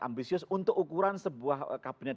ambisius untuk ukuran sebuah kabinet